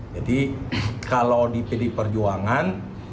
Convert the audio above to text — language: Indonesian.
jadi kalau di pdi perjuangan